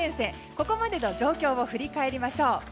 ここまでの状況を振り返りましょう。